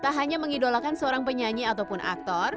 tak hanya mengidolakan seorang penyanyi ataupun aktor